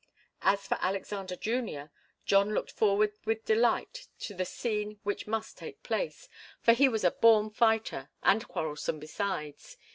As for Alexander Junior, John looked forward with delight to the scene which must take place, for he was a born fighter, and quarrelsome besides.